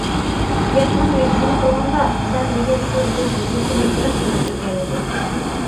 گەپنىڭ نېگىزىنى قىلغاندا، سەن دېگەن شۇ سۆز يۈرىكىمنى بىراقلا ئۆلتۈرگەنىدى.